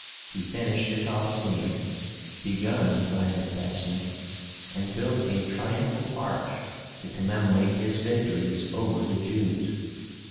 He finished the Colosséum, begun by Vespasian, and built a triumphal arch to commemorate his victories over the Jews.